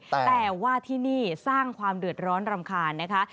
แต่ว่าที่นี่สร้างความเดือดร้อนรำคาญนะคะ